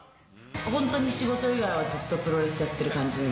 本当に仕事以外は、ずっとプロレスやってる感じ。